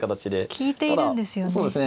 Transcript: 利いているんですよね。